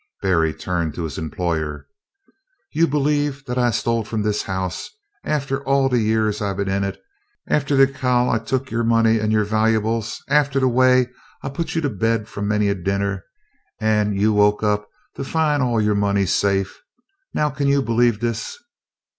Berry turned to his employer. "You b'lieve dat I stole f'om dis house aftah all de yeahs I 've been in it, aftah de caih I took of yo' money an' yo' valybles, aftah de way I 've put you to bed f'om many a dinnah, an' you woke up to fin' all yo' money safe? Now, can you b'lieve dis?"